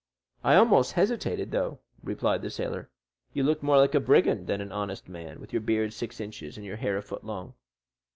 "I almost hesitated, though," replied the sailor; "you looked more like a brigand than an honest man, with your beard six inches, and your hair a foot long."